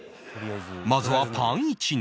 まずはパンイチに